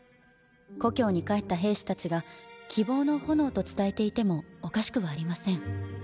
故郷に帰った兵士たちが希望の炎と伝えていてもおかしくはありません。